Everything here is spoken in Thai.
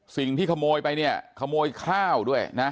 สิ่งที่ขโมยไปเนี่ยขโมยข้าวด้วยนะ